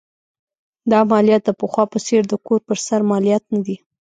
دا مالیات د پخوا په څېر د کور پر سر مالیات نه دي.